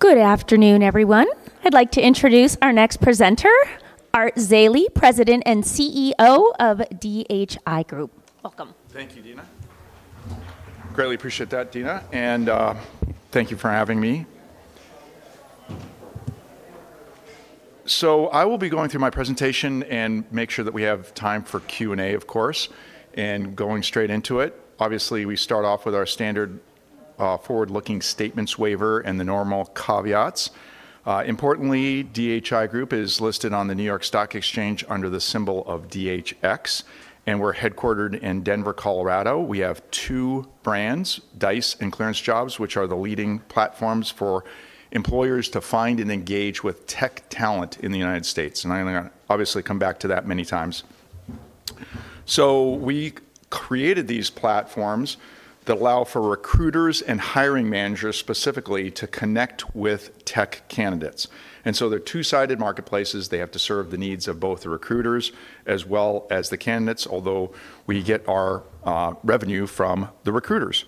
Good afternoon, everyone. I'd like to introduce our next presenter, Art Zeile, President and Chief Executive Officer of DHI Group. Welcome. Thank you, Dina. Greatly appreciate that, Dina, thank you for having me. I will be going through my presentation and make sure that we have time for Q&A, of course. Going straight into it, obviously, we start off with our standard Forward-Looking Statements waiver and the normal caveats. Importantly, DHI Group is listed on the New York Stock Exchange under the symbol of DHX, and we're headquartered in Denver, Colorado. We have two brands, Dice and ClearanceJobs, which are the leading platforms for employers to find and engage with tech talent in the U.S. I'm gonna obviously come back to that many times. We created these platforms that allow for recruiters and hiring managers specifically to connect with tech candidates. They're two-sided marketplaces. They have to serve the needs of both the recruiters as well as the candidates, although we get our revenue from the recruiters.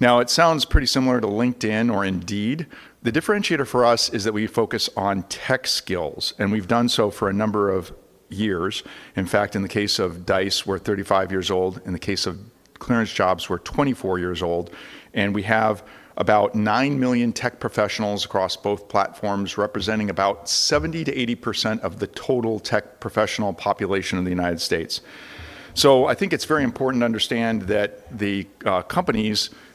It sounds pretty similar to LinkedIn or Indeed. The differentiator for us is that we focus on tech skills, and we've done so for a number of years. In fact, in the case of Dice, we're 35 years old. In the case of ClearanceJobs, we're 24 years old. We have about 9 million tech professionals across both platforms, representing about 70%-80% of the total tech professional population in the U.S. I think it's very important to understand that the company,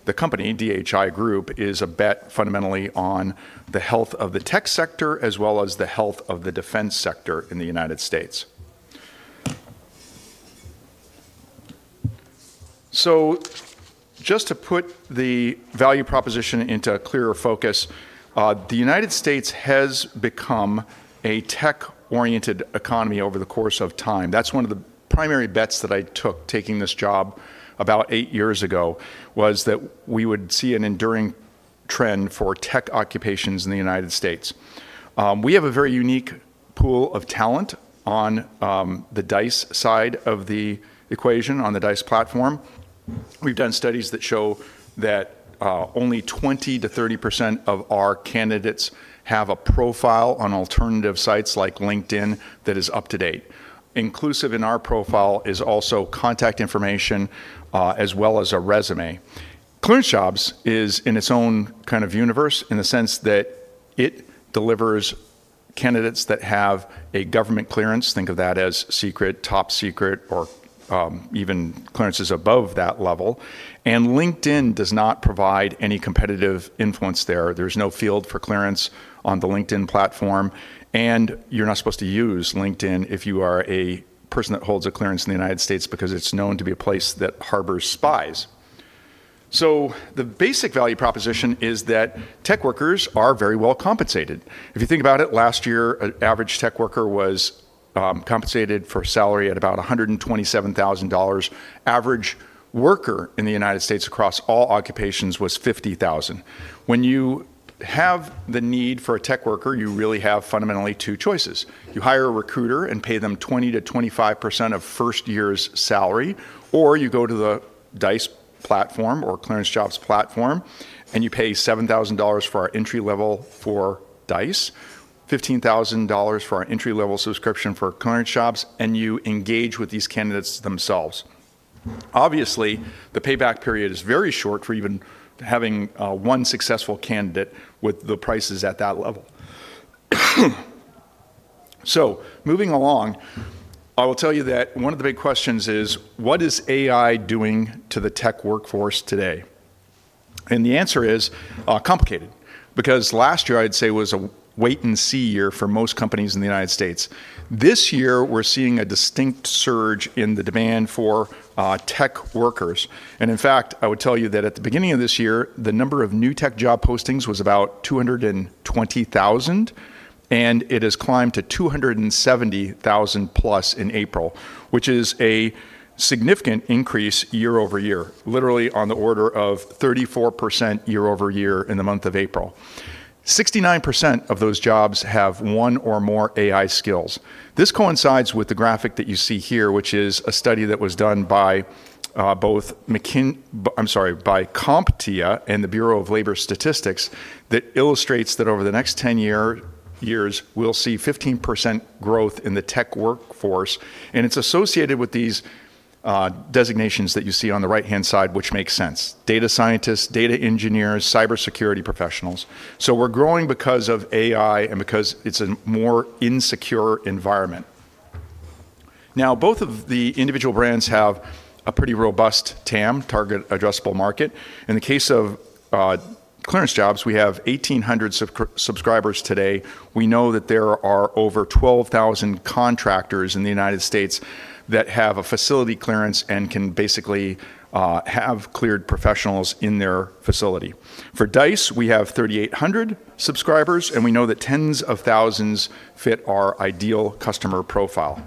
DHI Group, is a bet fundamentally on the health of the tech sector as well as the health of the defense sector in the U.S. Just to put the value proposition into clearer focus, the U.S. has become a tech-oriented economy over the course of time. That's one of the primary bets that I took taking this job about 8 years ago, was that we would see an enduring trend for tech occupations in the U.S. We have a very unique pool of talent on the Dice side of the equation, on the Dice platform. We've done studies that show that only 20%-30% of our candidates have a profile on alternative sites like LinkedIn that is up to date. Inclusive in our profile is also contact information, as well as a resume. ClearanceJobs is in its own kind of universe in the sense that it delivers candidates that have a government clearance, think of that as secret, top secret, or even clearances above that level. LinkedIn does not provide any competitive influence there. There's no field for clearance on the LinkedIn platform, and you're not supposed to use LinkedIn if you are a person that holds a clearance in the U.S. because it's known to be a place that harbors spies. The basic value proposition is that tech workers are very well compensated. If you think about it, last year, an average tech worker was compensated for salary at about $127,000. Average worker in the U.S. across all occupations was $50,000. When you have the need for a tech worker, you really have fundamentally two choices. You hire a recruiter and pay them 20%-25% of first year's salary, or you go to the Dice platform or ClearanceJobs platform and you pay $7,000 for our entry level for Dice, $15,000 for our entry level subscription for ClearanceJobs, and you engage with these candidates themselves. Obviously, the payback period is very short for even having one successful candidate with the prices at that level. Moving along, I will tell you that one of the big questions is: What is AI doing to the tech workforce today? The answer is complicated, because last year I'd say was a wait and see year for most companies in the United States. This year, we're seeing a distinct surge in the demand for tech workers. In fact, I would tell you that at the beginning of this year, the number of new tech job postings was about 220,000, and it has climbed to 270,000+ in April, which is a significant increase year-over-year, literally on the order of 34% year-over-year in the month of April. 69% of those jobs have one or more AI skills. This coincides with the graphic that you see here, which is a study that was done by CompTIA and the Bureau of Labor Statistics that illustrates that over the next 10 years, we'll see 15% growth in the tech workforce, and it's associated with these designations that you see on the right-hand side, which makes sense: data scientists, data engineers, cybersecurity professionals. We're growing because of AI and because it's a more insecure environment. Both of the individual brands have a pretty robust TAM, target addressable market. In the case of ClearanceJobs, we have 1,800 subscribers today. We know that there are over 12,000 contractors in the U.S. that have a facility clearance and can basically have cleared professionals in their facility. For Dice, we have 3,800 subscribers, and we know that tens of thousands fit our ideal customer profile.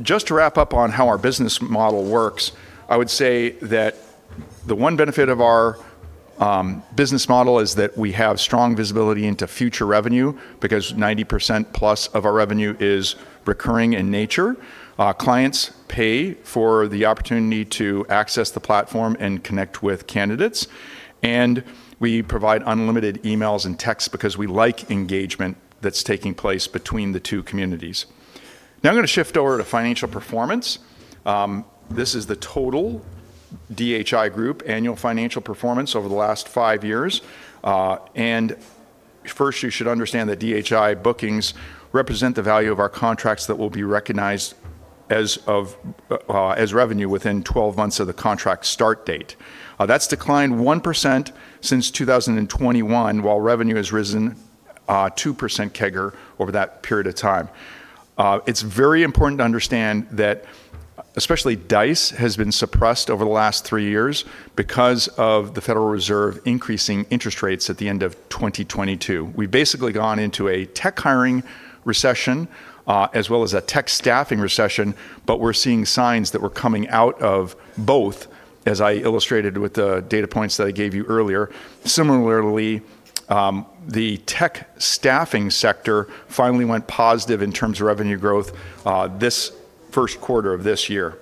Just to wrap up on how our business model works, I would say that. The one benefit of our business model is that we have strong visibility into future revenue because 90% plus of our revenue is recurring in nature. Clients pay for the opportunity to access the platform and connect with candidates. We provide unlimited emails and texts because we like engagement that's taking place between the two communities. Now I'm gonna shift over to financial performance. This is the total DHI Group annual financial performance over the last five years. First, you should understand that DHI bookings represent the value of our contracts that will be recognized as revenue within 12 months of the contract start date. That's declined 1% since 2021, while revenue has risen 2% CAGR over that period of time. It's very important to understand that especially Dice has been suppressed over the last three years because of the Federal Reserve increasing interest rates at the end of 2022. We've basically gone into a tech hiring recession, as well as a tech staffing recession. We're seeing signs that we're coming out of both, as I illustrated with the data points that I gave you earlier. Similarly, the tech staffing sector finally went positive in terms of revenue growth this first quarter of this year.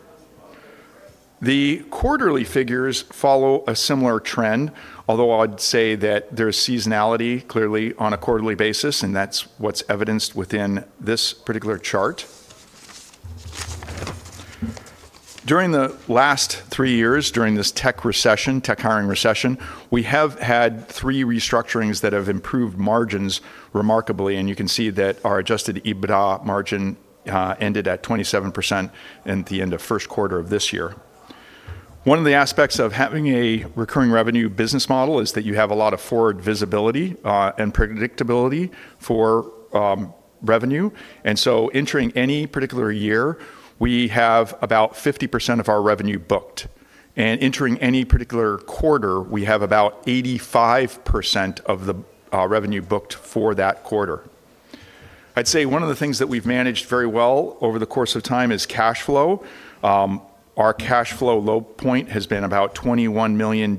The quarterly figures follow a similar trend, although I'd say that there's seasonality clearly on a quarterly basis, and that's what's evidenced within this particular chart. During the last three years, during this tech recession, tech hiring recession, we have had three restructurings that have improved margins remarkably. You can see that our adjusted EBITDA margin ended at 27% in the end of first quarter of this year. One of the aspects of having a recurring revenue business model is that you have a lot of forward visibility and predictability for revenue. Entering any particular year, we have about 50% of our revenue booked. Entering any particular quarter, we have about 85% of the revenue booked for that quarter. I'd say one of the things that we've managed very well over the course of time is cash flow. Our cash flow low point has been about $21 million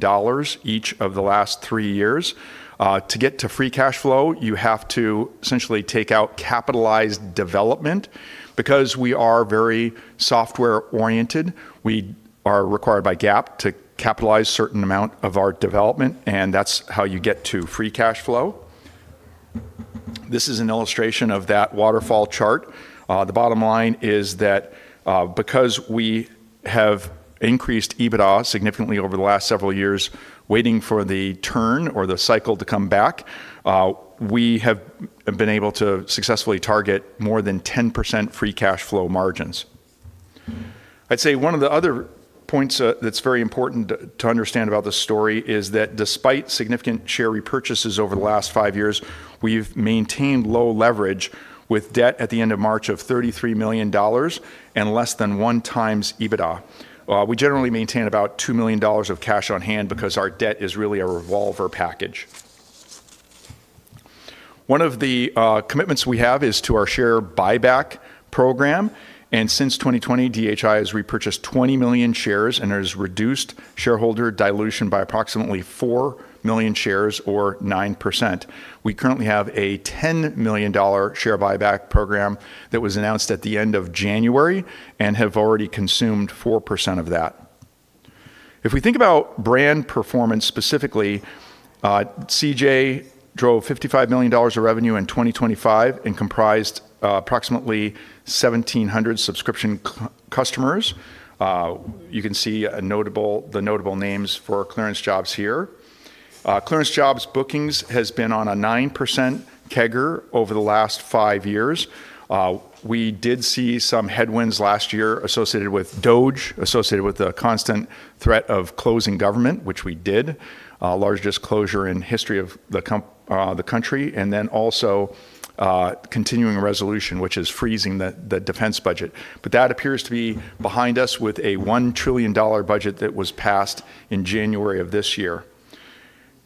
each of the last three years. To get to free cash flow, you have to essentially take out capitalized development. Because we are very software-oriented, we are required by GAAP to capitalize certain amount of our development, and that's how you get to free cash flow. This is an illustration of that waterfall chart. The bottom line is that because we have increased EBITDA significantly over the last several years waiting for the turn or the cycle to come back, we have been able to successfully target more than 10% free cash flow margins. I'd say one of the other points that's very important to understand about this story is that despite significant share repurchases over the last five years, we've maintained low leverage with debt at the end of March of $33 million and less than 1x EBITDA. We generally maintain about $2 million of cash on hand because our debt is really a revolver package. One of the commitments we have is to our share buyback program. Since 2020, DHI has repurchased 20 million shares and has reduced shareholder dilution by approximately 4 million shares or 9%. We currently have a $10 million share buyback program that was announced at the end of January and have already consumed 4% of that. If we think about brand performance specifically, CJ drove $55 million of revenue in 2025 and comprised approximately 1,700 subscription customers. You can see the notable names for ClearanceJobs here. ClearanceJobs bookings has been on a 9% CAGR over the last five years. We did see some headwinds last year associated with DoD, associated with the constant threat of closing government, which we did. Largest closure in history of the country, and then also, continuing resolution, which is freezing the defense budget. That appears to be behind us with a $1 trillion budget that was passed in January of this year.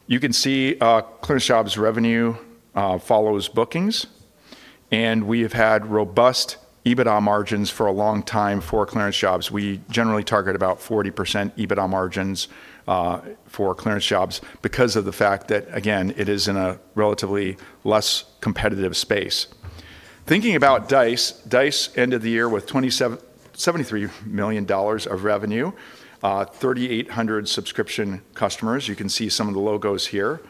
You can see ClearanceJobs revenue follows bookings, and we have had robust EBITDA margins for a long time for ClearanceJobs. We generally target about 40% EBITDA margins for ClearanceJobs because of the fact that, again, it is in a relatively less competitive space. Thinking about Dice ended the year with $73 million of revenue, 3,800 subscription customers. You can see some of the logos here.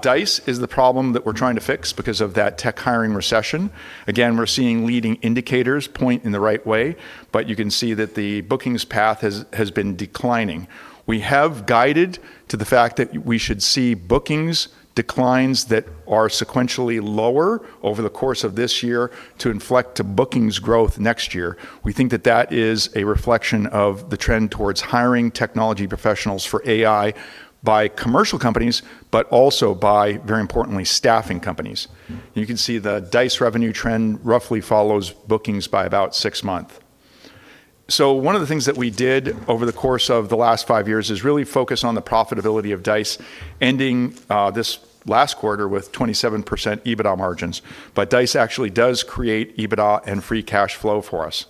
Dice is the problem that we're trying to fix because of that tech hiring recession. Again, we're seeing leading indicators point in the right way, but you can see that the bookings path has been declining. We have guided to the fact that we should see bookings declines that are sequentially lower over the course of this year to inflect to bookings growth next year. We think that that is a reflection of the trend towards hiring technology professionals for AI by commercial companies, but also by, very importantly, staffing companies. You can see the Dice revenue trend roughly follows bookings by about six months. One of the things that we did over the course of the last five-years is really focus on the profitability of Dice, ending this last quarter with 27% EBITDA margins. Dice actually does create EBITDA and free cash flow for us.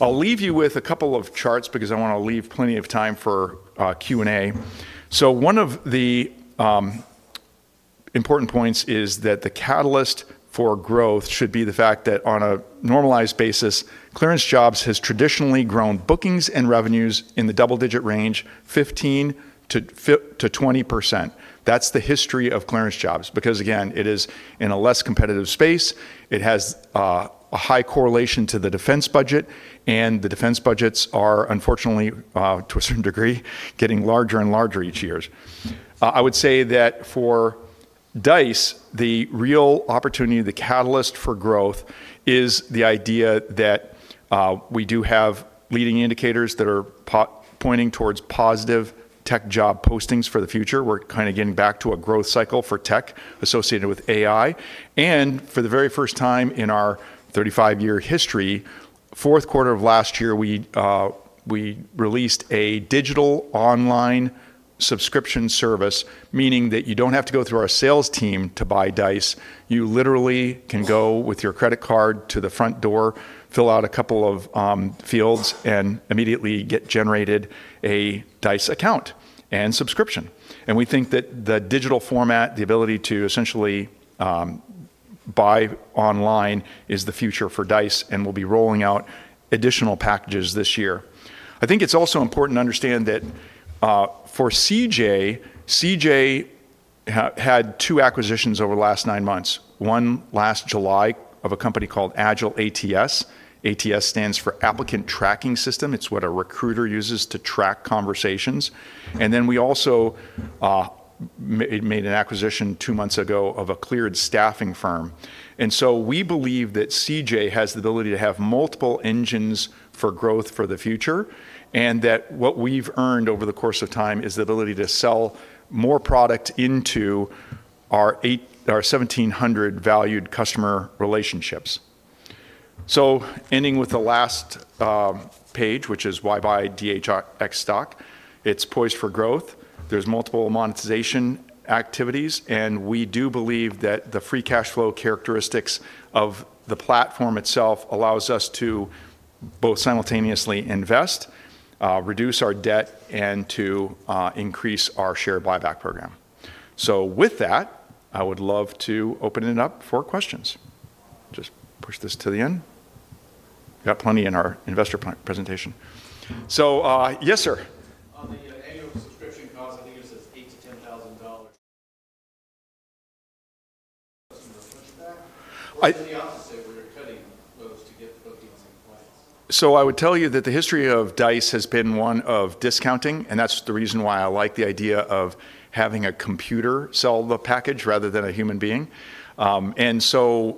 I'll leave you with a couple of charts because I wanna leave plenty of time for Q&A. One of the important points is that the catalyst for growth should be the fact that on a normalized basis, ClearanceJobs has traditionally grown bookings and revenues in the double-digit range, 15%-20%. That's the history of ClearanceJobs because again, it is in a less competitive space. It has a high correlation to the defense budget, and the defense budgets are unfortunately, to a certain degree, getting larger and larger each years. I would say that for Dice, the real opportunity, the catalyst for growth is the idea that we do have leading indicators that are pointing towards positive tech job postings for the future. We're kinda getting back to a growth cycle for tech associated with AI. For the very first time in our 35 year history, fourth quarter of last year, we released a digital online subscription service, meaning that you don't have to go through our sales team to buy Dice. You literally can go with your credit card to the front door, fill out a couple of fields, and immediately get generated a Dice account and subscription. We think that the digital format, the ability to essentially buy online is the future for Dice, and we'll be rolling out additional packages this year. I think it's also important to understand that for CJ had two acquisitions over the last nine-months. One last July of a company called AgileATS. ATS stands for Applicant Tracking System. It's what a recruiter uses to track conversations. We also made an acquisition two months ago of a cleared staffing firm. We believe that ClearanceJobs has the ability to have multiple engines for growth for the future, and that what we've earned over the course of time is the ability to sell more product into our 1,700 valued customer relationships. Ending with the last page, which is why buy DHX stock. It's poised for growth. There's multiple monetization activities, and we do believe that the free cash flow characteristics of the platform itself allows us to both simultaneously invest, reduce our debt, and to increase our share buyback program. With that, I would love to open it up for questions. Just push this to the end. Got plenty in our investor presentation. Yes, sir. On the annual subscription costs, I think it says $8,000-$10,000. Is it the opposite where you're cutting those to get bookings in place? I would tell you that the history of Dice has been one of discounting, and that's the reason why I like the idea of having a computer sell the package rather than a human being.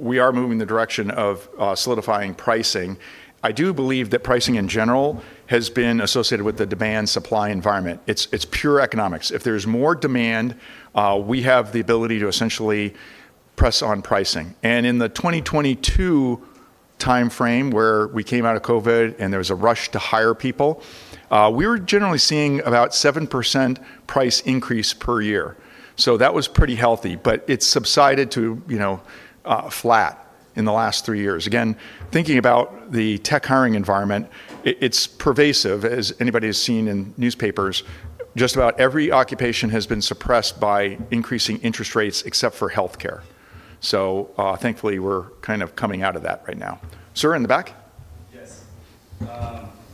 We are moving the direction of solidifying pricing. I do believe that pricing in general has been associated with the demand-supply environment. It's pure economics. If there's more demand, we have the ability to essentially press on pricing. In the 2022 timeframe where we came out of COVID and there was a rush to hire people, we were generally seeing about 7% price increase per year. That was pretty healthy, but it's subsided to, you know, flat in the last three-years. Again, thinking about the tech hiring environment, it's pervasive as anybody's seen in newspapers. Just about every occupation has been suppressed by increasing interest rates except for healthcare. Thankfully, we're kind of coming out of that right now. Sir, in the back. Yes.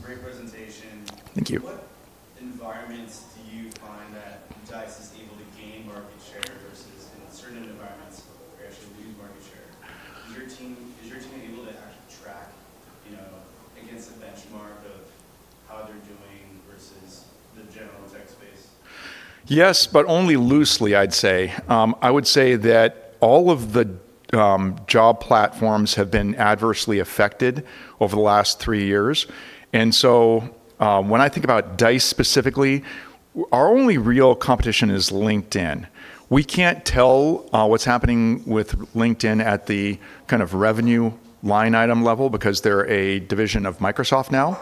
Great presentation. Thank you. What environments do you find that Dice is able to gain market share versus in certain environments where they're actually losing market share? Is your team able to actually track, you know, against a benchmark of how they're doing versus the general tech space? Yes, but only loosely, I'd say. I would say that all of the job platforms have been adversely affected over the last three-years. When I think about Dice specifically, our only real competition is LinkedIn. We can't tell what's happening with LinkedIn at the kind of revenue line item level because they're a division of Microsoft now.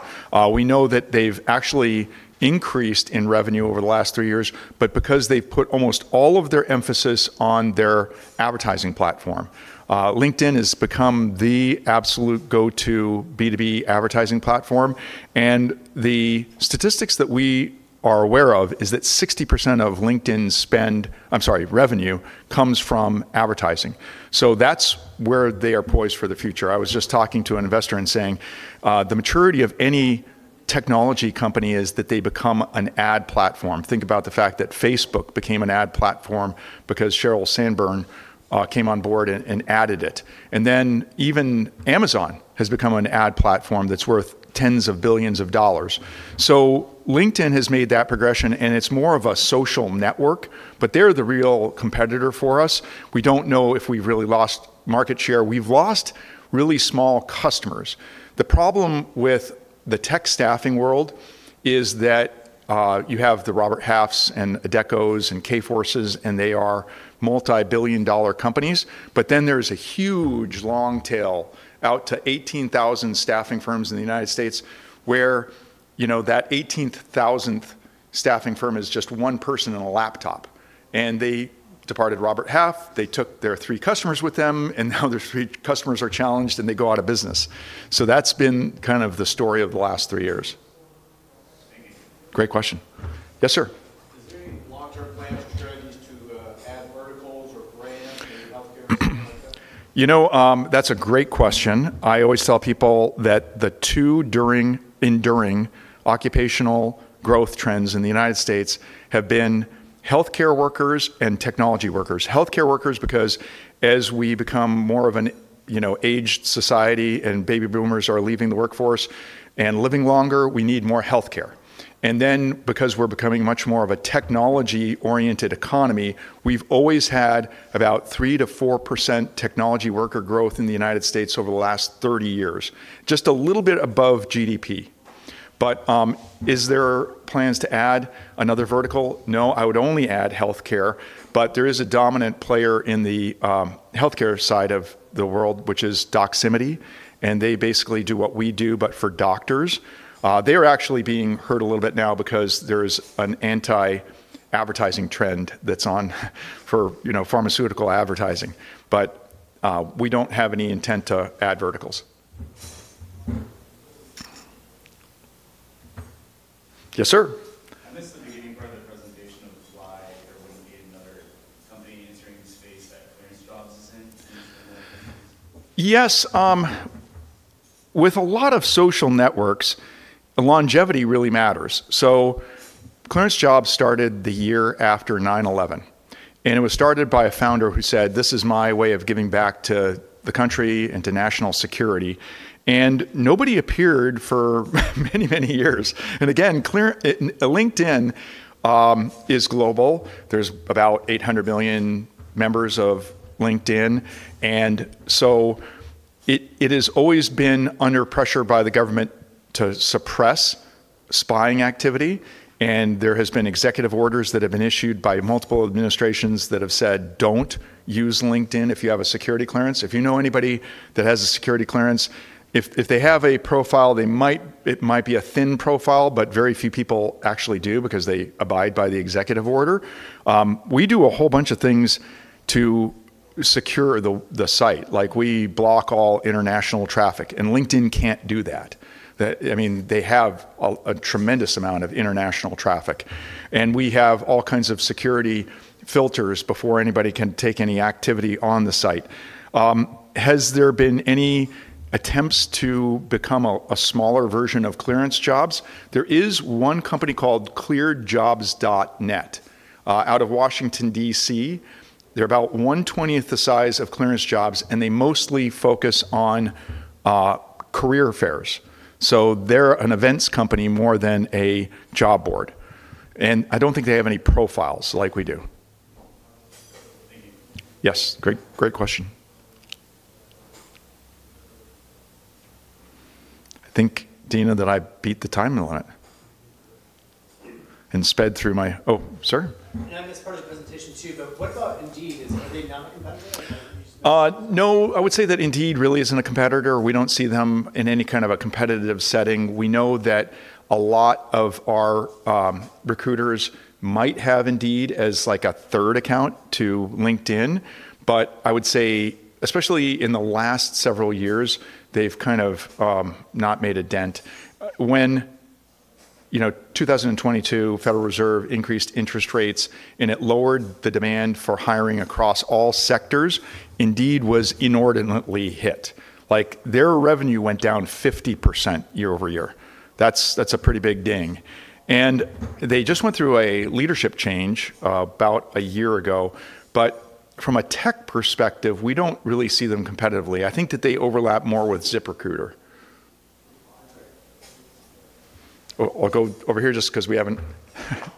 We know that they've actually increased in revenue over the last three-years, but because they put almost all of their emphasis on their advertising platform. LinkedIn has become the absolute go-to B2B advertising platform, and the statistics that we are aware of is that 60% of LinkedIn's spend, I'm sorry, revenue, comes from advertising. That's where they are poised for the future. I was just talking to an investor and saying, the maturity of any technology company is that they become an ad platform. Think about the fact that Facebook became an ad platform because Sheryl Sandberg came on board and added it. Even Amazon has become an ad platform that's worth tens of billions of dollars. LinkedIn has made that progression, and it's more of a social network, but they're the real competitor for us. We don't know if we've really lost market share. We've lost really small customers. The problem with the tech staffing world is that you have the Robert Half's and Adecco's and Kforce's, and they are multi-billion dollar companies. There's a huge long tail out to 18,000 staffing firms in the United States where, you know, that 18,000th staffing firm is just one person and a laptop, and they departed Robert Half. They took their three customers with them, and now their three customers are challenged, and they go out of business. That's been kind of the story of the last three years. Great question. Yes, sir. Is there any long-term plans or strategies to add verticals or brands in the healthcare space like that? You know, that's a great question. I always tell people that the two during enduring occupational growth trends in the United States have been healthcare workers and technology workers. Healthcare workers because as we become more of an, you know, aged society and baby boomers are leaving the workforce and living longer, we need more healthcare. Because we're becoming much more of a technology-oriented economy, we've always had about 3%-4% technology worker growth in the United States over the last 30 years. Just a little bit above GDP. Is there plans to add another vertical? No, I would only add healthcare, but there is a dominant player in the healthcare side of the world, which is Doximity, and they basically do what we do but for doctors. They're actually being hurt a little bit now because there's an anti-advertising trend that's on for, you know, pharmaceutical advertising. We don't have any intent to add verticals. Yes, sir. I missed the beginning part of the presentation of why there wouldn't be another company entering the space that ClearanceJobs is in. Can you explain that please? Yes. With a lot of social networks, longevity really matters. ClearanceJobs started the year after 9/11, and it was started by a founder who said, "This is my way of giving back to the country and to national security." Nobody appeared for many, many years. Again, LinkedIn is global. There's about 800 million members of LinkedIn. It, it has always been under pressure by the government to suppress spying activity, and there has been executive orders that have been issued by multiple administrations that have said, "Don't use LinkedIn if you have a security clearance." If you know anybody that has a security clearance, if they have a profile, it might be a thin profile, but very few people actually do because they abide by the executive order. We do a whole bunch of things to secure the site, like we block all international traffic. LinkedIn can't do that. I mean, they have a tremendous amount of international traffic. We have all kinds of security filters before anybody can take any activity on the site. Has there been any attempts to become a smaller version of ClearanceJobs? There is one company called ClearedJobs.Net out of Washington, D.C. They're about one-twentieth the size of ClearanceJobs. They mostly focus on career fairs. They're an events company more than a job board. I don't think they have any profiles like we do. Thank you. Yes. Great, great question. I think, Dina, that I beat the time limit and sped through my-- Oh, sir? I missed part of the presentation too, but what about Indeed? Are they not a competitor or no? No, I would say that Indeed really isn't a competitor. We don't see them in any kind of a competitive setting. We know that a lot of our recruiters might have Indeed as, like, a third account to LinkedIn. I would say, especially in the last several years, they've kind of not made a dent. When, you know, 2022 Federal Reserve increased interest rates and it lowered the demand for hiring across all sectors, Indeed was inordinately hit. Like, their revenue went down 50% year-over-year. That's a pretty big ding. They just went through a leadership change about a year ago. From a tech perspective, we don't really see them competitively. I think that they overlap more with ZipRecruiter. I'll go over here just 'cause we haven't Not related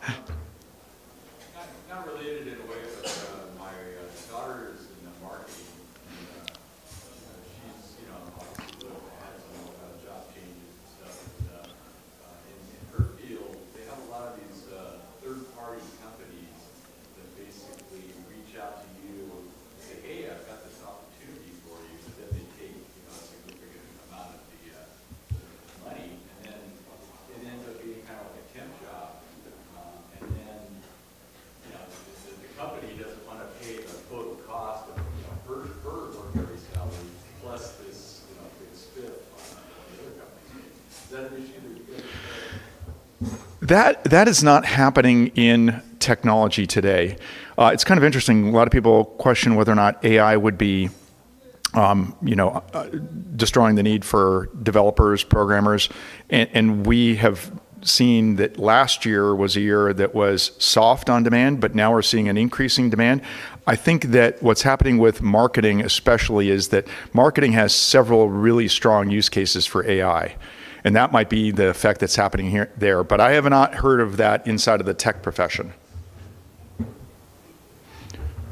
and that might be the effect that's happening there. I have not heard of that inside of the tech profession.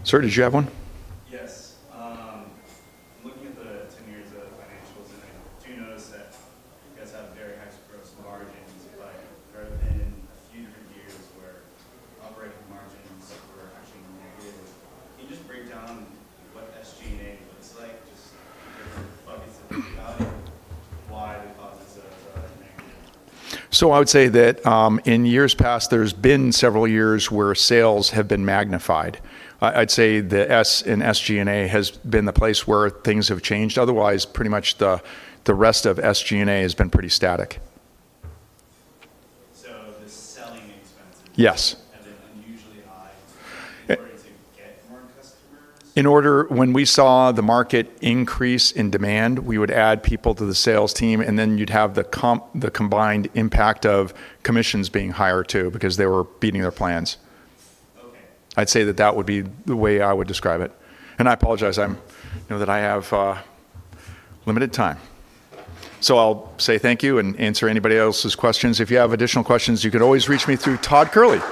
Sir, did you have one? Yes. Looking at the 10 years of financials, and I do notice that you guys have very high gross margins, but there have been a few different years where operating margins were actually negative. Can you just break down what SG&A looks like, just different buckets of value and why the causes of negative? I would say that in years past, there's been several years where sales have been magnified. I'd say the S in SG&A has been the place where things have changed. Otherwise, pretty much the rest of SG&A has been pretty static. The selling expenses. Yes Have been unusually high in order to get more customers? When we saw the market increase in demand, we would add people to the sales team, and then you'd have the combined impact of commissions being higher too because they were beating their plans. Okay. I'd say that that would be the way I would describe it. I apologize, you know, that I have limited time. I'll say thank you and answer anybody else's questions. If you have additional questions, you could always reach me through Todd Kehrli.